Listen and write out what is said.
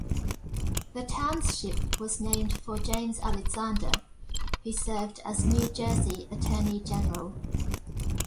The township was named for James Alexander, who served as New Jersey Attorney General.